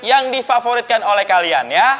yang difavoritkan oleh kalian